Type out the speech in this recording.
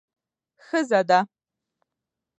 ښځه ده.